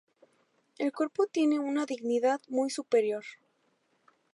El cuerpo tiene una dignidad muy superior.